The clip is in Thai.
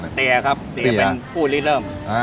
เตียครับเตียเป็นผู้รีเริ่ม